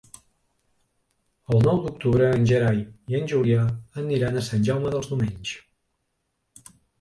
El nou d'octubre en Gerai i en Julià aniran a Sant Jaume dels Domenys.